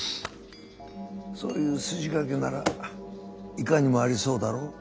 そういう筋書きならいかにもありそうだろ？